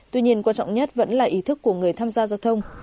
tuy nhiên quan trọng nhất vẫn là ý thức của người tham gia giao thông